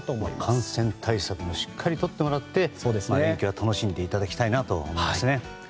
感染対策もしっかりとってもらって連休は楽しんでいただきたいなと思います。